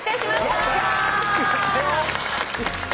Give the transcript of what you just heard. やったよ！